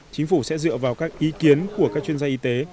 chính phủ sẽ dựa vào các ý kiến của các chuyên gia y tế